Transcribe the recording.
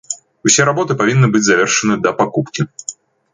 Усе работы павінны быць завершаны да пакупкі.